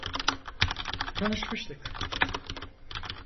Tanışmıştık.